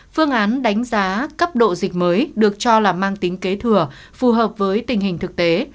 phương án đánh giá cấp độ dịch mới được cho là mang tính kế thừa phù hợp với tình hình thực tế